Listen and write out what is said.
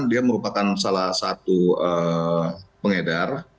dia merupakan salah satu pengedar